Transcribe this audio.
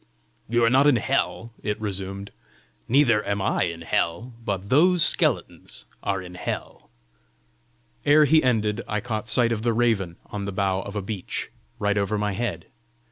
"You are not in hell," it resumed. "Neither am I in hell. But those skeletons are in hell!" Ere he ended I caught sight of the raven on the bough of a beech, right over my head.